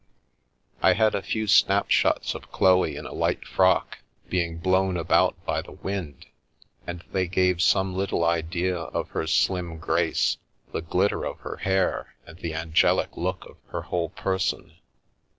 I had a few snapshots of Chloe in a light frock being blown about by the wind, and they gave some little idea of her slim grace, the glitter of her hair and the angelic look of her whole person.